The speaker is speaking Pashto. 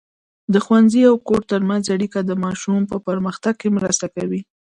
د ښوونځي او کور ترمنځ اړیکه د ماشوم په پرمختګ کې مرسته کوي.